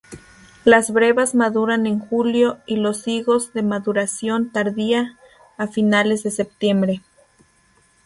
Las brevas maduran en julio,y los higos de maduración tardía, a finales de septiembre.